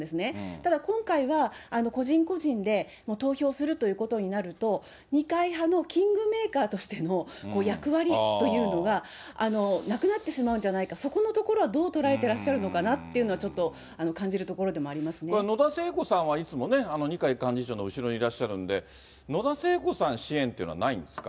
ただ今回は、個人個人で投票するということになると、二階派のキングメーカーとしての役割というのがなくなってしまうんじゃないか、そこのところはどう捉えてらっしゃるのかなっていうのはちょっと感じるところでもありこれ、野田聖子さんはいつもね、二階幹事長の後ろにいらっしゃるんで、野田聖子さん支援というのはないんですか？